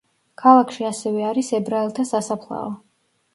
ქალაქში ასევე არის ებრაელთა სასაფლაო.